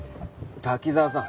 滝澤さん